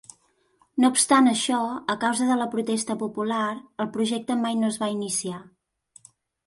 No obstant això, a causa de la protesta popular, el projecte mai no es va iniciar.